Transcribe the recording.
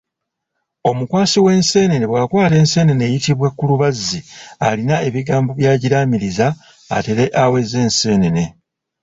Omukwasi w'enseenene bw'akwata enseenene eyitibwa kulubazzi alina ebigambo byagiraamiriza atere aweze enseenene.